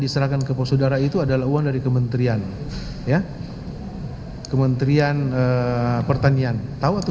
diserahkan ke saudara itu adalah uang dari kementerian ya kementerian pertanian tahu atau